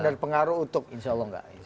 dan pengaruh untuk insya allah enggak